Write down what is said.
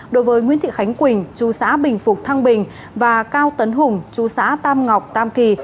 đối với nguyễn thị khánh quỳnh chú xã bình phục thăng bình và cao tấn hùng chú xã tam ngọc tam kỳ